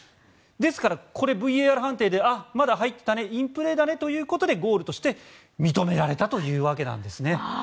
ですからこれ、ＶＡＲ判定でまだ入っていたねインプレーだねということでゴールとして認められたというわけなんです。